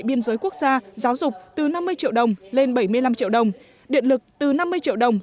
biên giới quốc gia giáo dục từ năm mươi triệu đồng lên bảy mươi năm triệu đồng điện lực từ năm mươi triệu đồng